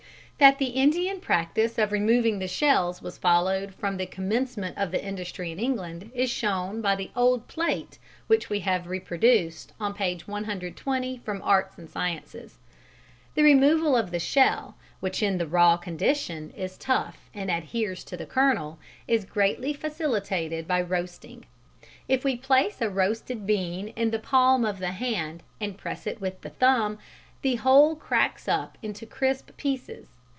That the "Indian" practice of removing the shells was followed from the commencement of the industry in England, is shown by the old plate which we have reproduced on p. 120 from Arts and Sciences. The removal of the shell, which in the raw condition is tough and adheres to the kernel, is greatly facilitated by roasting. If we place a roasted bean in the palm of the hand and press it with the thumb, the whole cracks up into crisp pieces.